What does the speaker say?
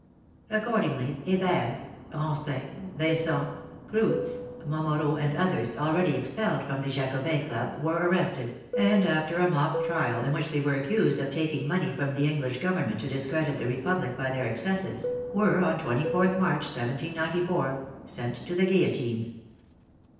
Accordingly Hebert, Ronsin, Vincent, Clootz, Momoro, and others, al ready expelled from the Jacobins' Club, were arrested, and after a mock trial, in which they were accused of taking money from the English Government to discredit the Republic by their excesses, were, on 24th March, 1794, sent to the guillotine.